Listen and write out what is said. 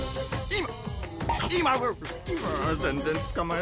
今。